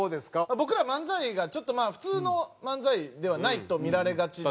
僕ら漫才がちょっとまあ普通の漫才ではないと見られがちで。